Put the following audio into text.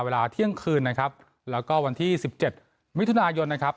เวลาเที่ยงคืนนะครับแล้วก็วันที่สิบเจ็ดมิถุนายนนะครับ